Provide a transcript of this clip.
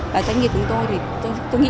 và doanh nghiệp của tôi thì tôi nghĩ